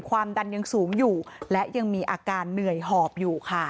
ความดันยังสูงอยู่และยังมีอาการเหนื่อยหอบอยู่ค่ะ